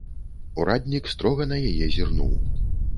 Ураднік строга на яе зірнуў.